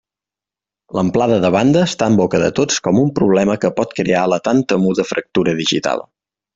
L'amplada de banda està en boca de tots com un problema que pot crear la tan temuda fractura digital.